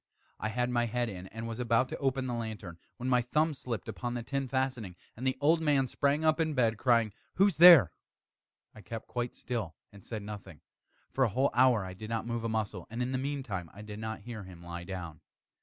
I had my head in, and was about to open the lantern, when my thumb slipped upon the tin fastening, and the old man sprang up in bed, crying out "Who's there?" I kept quite still and said nothing. For a whole hour I did not move a muscle, and in the meantime I did not hear him lie down.